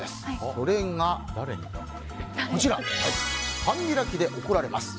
それが、半開きで怒られます。